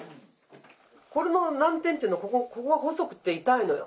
これの難点っていうのはここが細くて痛いのよ。